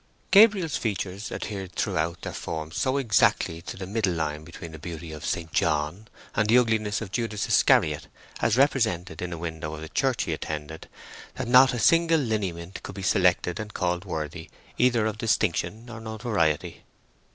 Gabriel's features adhered throughout their form so exactly to the middle line between the beauty of St. John and the ugliness of Judas Iscariot, as represented in a window of the church he attended, that not a single lineament could be selected and called worthy either of distinction or notoriety.